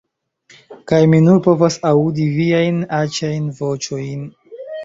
Kaj mi nur povas aŭdi viajn aĉajn voĉojn!